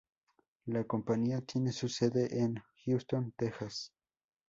La compañía tiene su sede en Houston, Texas.